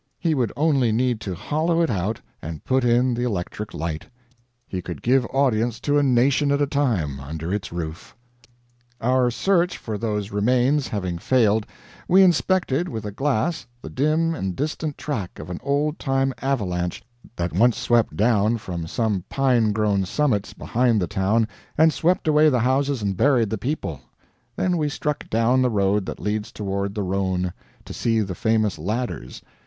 He would only need to hollow it out and put in the electric light. He could give audience to a nation at a time under its roof. Our search for those remains having failed, we inspected with a glass the dim and distant track of an old time avalanche that once swept down from some pine grown summits behind the town and swept away the houses and buried the people; then we struck down the road that leads toward the Rhone, to see the famous Ladders.